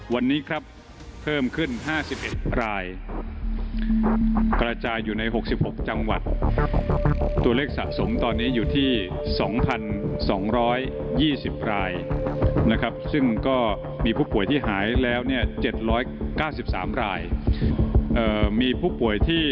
วันนี้ครับเพิ่มขึ้น๕๑รายกระจายอยู่ใน๖๖จังหวัดตัวเลขสะสมตอนนี้อยู่ที่๒๒๒๐รายนะครับซึ่งก็มีผู้ป่วยที่หายแล้วเนี่ย๗๙๓รายมีผู้ป่วยที่